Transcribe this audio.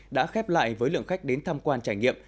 đã khép lại với lượng khách đến tham quan trải nghiệm